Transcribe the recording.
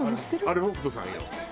あれ北斗さんよ。